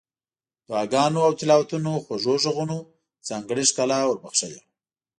دعاګانو او تلاوتونو خوږو غږونو ځانګړې ښکلا ور بخښلې وه.